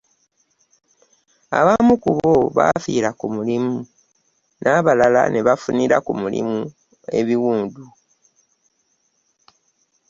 Abamu ku bo bafiira ku mulimu n’abalala nebafunira ku mulimu ebiwundu.